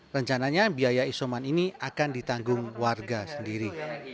rencananya biaya isoman ini akan ditanggung warga sendiri